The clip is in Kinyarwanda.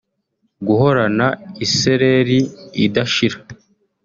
Guhorana isereri idashira